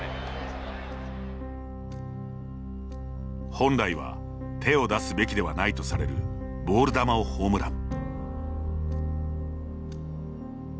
本来は手を出すべきではないとされるボール球をホームラン。